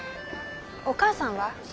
お母さんは？